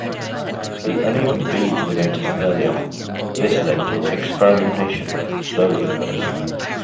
The uneven beads were noticed early on, this led to experimentation, slowly at first.